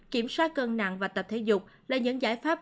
kiểm soát cân nặng và tập thể dục là những giải pháp